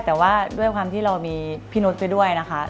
แต่ว่าด้วยความที่เรามีพี่นุษย์ไปด้วยนะคะ